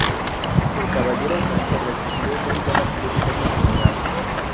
El Caballero Blanco recibió muy buenas críticas en general.